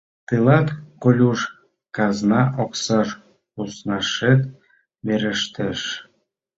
Тылат, Колюш, казна оксаш куснашет верештеш.